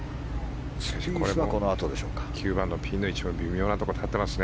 ９番のピンの位置も微妙なところに立っていますね。